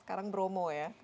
sekarang bromo ya kemarin